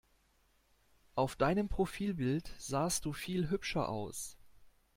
Auf deinem Profilbild sahst du viel hübscher aus!